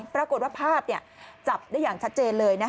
ปรากฏว่าภาพจับได้อย่างชัดเจนเลย